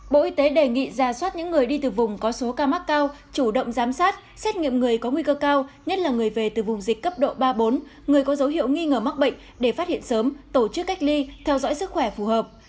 bộ y tế đề nghị ra soát những người đi từ vùng có số ca mắc cao chủ động giám sát xét nghiệm người có nguy cơ cao nhất là người về từ vùng dịch cấp độ ba bốn người có dấu hiệu nghi ngờ mắc bệnh để phát hiện sớm tổ chức cách ly theo dõi sức khỏe phù hợp